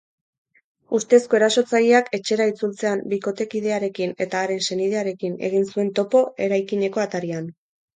Ustezko erasotzaileak etxera itzultzean bikotekidearekin eta haren senidearekin egin zuen topo eraikineko atarian.